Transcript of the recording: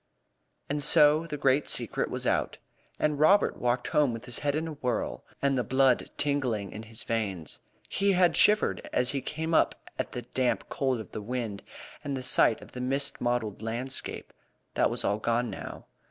And so the great secret was out, and Robert walked home with his head in a whirl, and the blood tingling in his veins. He had shivered as he came up at the damp cold of the wind and the sight of the mist mottled landscape. That was all gone now.